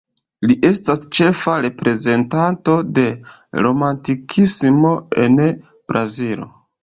Li estas ĉefa reprezentanto de romantikismo en Brazilo.